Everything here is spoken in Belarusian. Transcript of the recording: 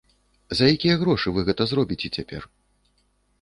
За якія грошы вы гэта зробіце цяпер?